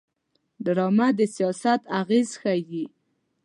ډرامه د سیاست اغېز ښيي